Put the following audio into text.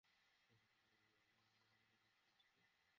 নাকি আমার মোটা মাথার জন্যে কিছু দেখতে পাচ্ছো না?